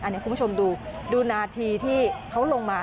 อันนี้คุณผู้ชมดูดูนาทีที่เขาลงมา